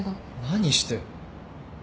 何して。